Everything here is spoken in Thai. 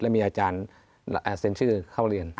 มีอาจารย์เซ็นชื่อเข้าเรียน